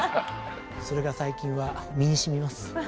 それが最近は身にしみます。